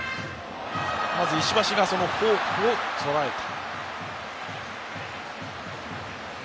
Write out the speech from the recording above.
まず石橋がフォークをとらえた。